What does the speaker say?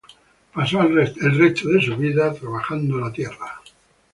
Pasó el resto de su vida trabajando la tierra.